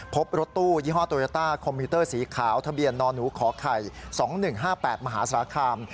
พบรถตู้ยี่ห้อโตโยต้าคอมพิวเตอร์สีขาวทะเบียนนหนูขอไข่๒๑๕๘มหาสารคาม